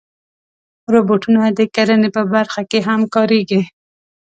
روبوټونه د کرنې په برخه کې هم کارېږي.